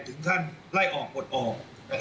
ถึงท่านไล่ออกกดออก